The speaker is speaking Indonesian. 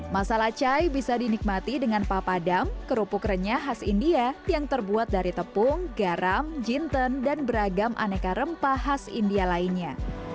masala chai bisa dinikmati dengan papadam kerupuk renyah khas india yang terbuat dari tepung garam jinten dan beragam aneka rempah khas india lainnya